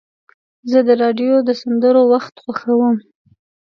زه د راډیو د سندرو وخت خوښوم.